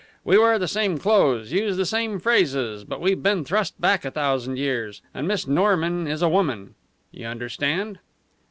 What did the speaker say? We wear the same clothes, use the same phrases; but we've been thrust back a thousand years. And Miss Norman is a woman. You understand?"